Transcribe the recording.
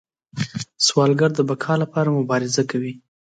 سوالګر د بقا لپاره مبارزه کوي